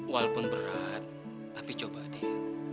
walaupun berat tapi coba deh